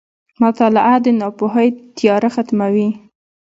• مطالعه د ناپوهۍ تیاره ختموي.